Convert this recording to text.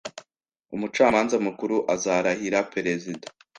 Umucamanza mukuru azarahira perezida